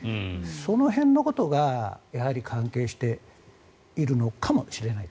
その辺のことがやはり関係しているのかもしれない。